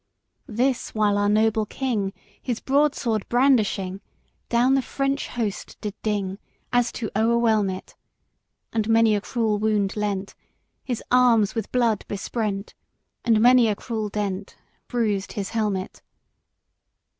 VIII. This while our noble king, His broadsword brandishing, Down the French host did ding, As to o'erwhelm it. And many a deep wound lent His arms with blood besprent. And many a cruel dent Bruised his helmet.